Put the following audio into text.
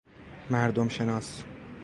مردم شناس